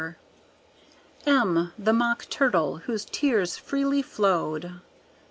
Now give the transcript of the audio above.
M, the Mock Turtle, whose tears freely flowed.